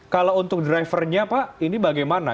kalau untuk drivernya pak ini bagaimana